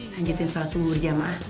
lanjutin salah sumur jamah